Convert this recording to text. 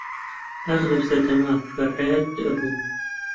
ئاخ لەو سەردەما بەر حەیات ئەبووم